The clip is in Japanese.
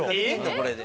これで。